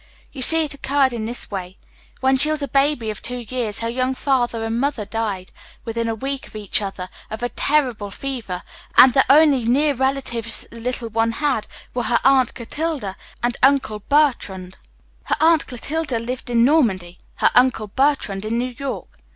You see, it had occurred in this way: When she was a baby of two years her young father and mother died, within a week of each other, of a terrible fever, and the only near relatives the little one had were her Aunt Clotilde and Uncle Bertrand. Her Aunt Clotilde lived in Normandy her Uncle Bertrand in New York.